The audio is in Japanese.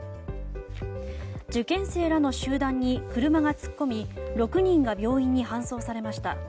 受験生らの集団に車が突っ込み６人が病院に搬送されました。